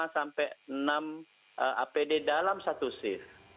lima sampai enam apd dalam satu shift